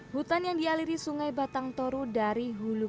hutan yang dialiri sungai batang toru dari hulu